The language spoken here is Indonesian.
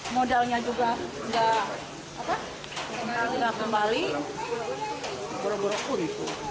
modalnya juga tidak kembali